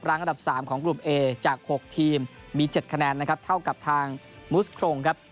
อันดับ๓ของกลุ่มเอจาก๖ทีมมี๗คะแนนนะครับเท่ากับทางมุสโครงครับ